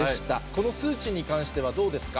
この数値に関してはどうですか。